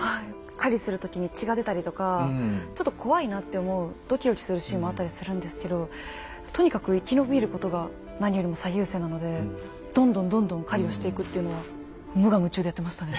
狩りする時に血が出たりとかちょっと怖いなって思うドキドキするシーンもあったりするんですけどとにかく生き延びることが何よりも最優先なのでどんどんどんどん狩りをしていくっていうのは無我夢中でやってましたね。